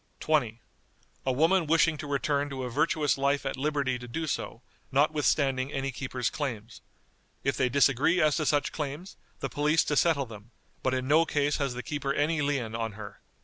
"20. A woman wishing to return to a virtuous life at liberty to do so, notwithstanding any keeper's claims. If they disagree as to such claims, the police to settle them, but in no case has the keeper any lien on her.